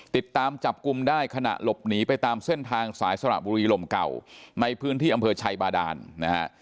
ติดตามจับกลุ่มได้ขณะหลบหนีไปตามเส้นทางสายสระบุรีลมเก่าในพื้นที่อำเภอชัยบาดานนะฮะ